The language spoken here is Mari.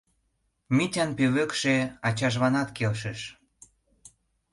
Митян пӧлекше ачажланат келшыш.